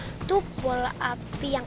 itu bola api yang